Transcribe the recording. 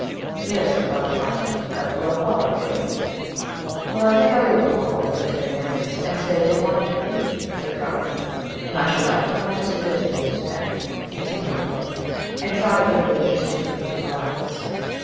"Yes," replied the parson, "that's well thought of, Georgy." "Well, I think I will go up on Thursday next, and stay till Monday," said Carlton; "and I shall act upon your suggestion, Miss Peck," continued he; "and try to get a religious interview with the blacks.